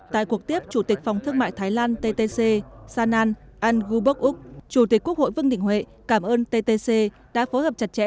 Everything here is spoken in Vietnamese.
tại cuộc tiếp chủ tịch phòng thương mại thái lan ttc sanan anguberg úc chủ tịch quốc hội vương đình huệ cảm ơn ttc đã phối hợp chặt chẽ